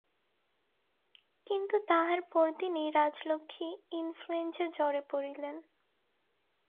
কিন্তু তাহার পরদিনেই রাজলক্ষ্মী ইনফ্লুয়েজ্ঞা-জ্বরে পড়িলেন।